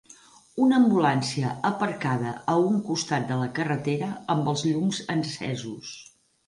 Una ambulància aparcada a un costat de la carretera amb els llums encesos.